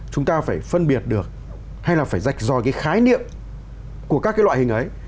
chúng ta phải phân biệt được hay là phải dạch dòi cái khái niệm của các cái loại hình ấy